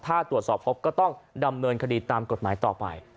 ถ้าตรวจสอบพบก็ต้องดำเนินคดีตามกฎหมายต่อไป